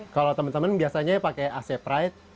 kalau temen temen biasanya pakai ac pride